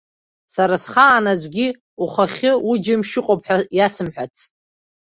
Сара, схаан аӡәгьы ухахьы уџьамшь ыҟоуп ҳәа иасымҳәацт.